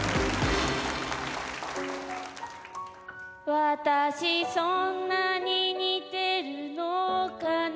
「私そんなに似てるのかな」